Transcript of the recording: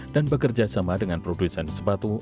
dan bekerja sama dengan produsen sebatu